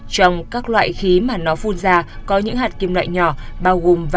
trong các loại khí mà nó phun ra có những hạt kim loại nhỏ